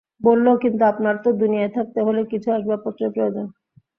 বলল, কিন্তু আপনার তো দুনিয়ায় থাকতে হলে কিছু আসবাবপত্রের প্রয়োজন।